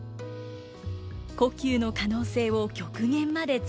「胡弓の可能性を極限まで追求したい」。